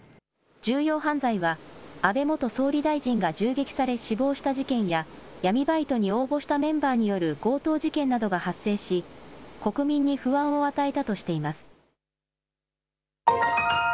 重要犯罪は安倍元総理大臣が銃撃され死亡した事件や、闇バイトに応募したメンバーによる強盗事件などが発生し、国民に不安を与えたとしています。